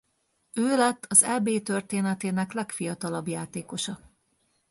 Ő lett az Eb történetének legfiatalabb játékosa.